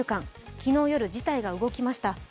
昨日夜、事態が動きました。